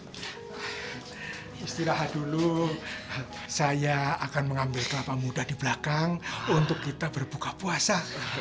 istirahat dulu saya akan mengambil kelapa muda di belakang untuk kita berbuka puasa